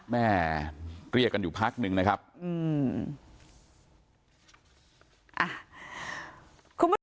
แม่เรียกกันอยู่พักหนึ่งนะครับอืม